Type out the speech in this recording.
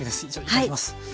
いただきます。